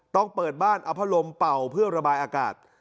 ต้องเปิดบ้านเอาพัดลมเป่าเพื่อระบายอากาศ